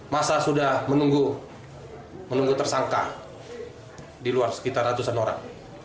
masa sudah menunggu tersangka di luar sekitar ratusan orang